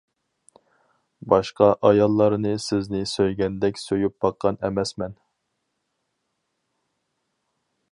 باشقا ئاياللارنى سىزنى سۆيگەندەك سۆيۈپ باققان ئەمەسمەن.